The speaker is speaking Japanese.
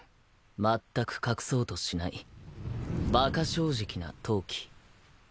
まったく隠そうとしないバカ正直な闘気。